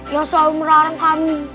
yang selalu merarang kami